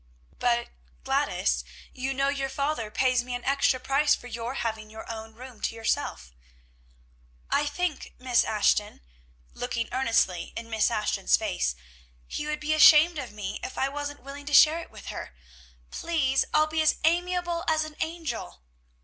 "But, Gladys, you know your father pays me an extra price for your having your room to yourself." "I think, Miss Ashton," looking earnestly in Miss Ashton's face, "he would be ashamed of me if I wasn't willing to share it with her. Please! I'll be as amiable as an angel."